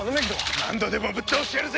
何度でもぶっ倒してやるぜ！